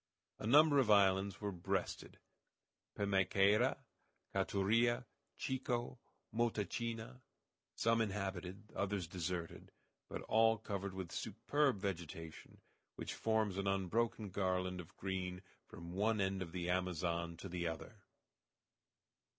A number of islands were breasted Pimaicaira, Caturia, Chico, Motachina; some inhabited, others deserted, but all covered with superb vegetation, which forms an unbroken garland of green from one end of the Amazon to the other.